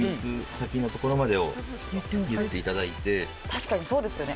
確かにそうですよね。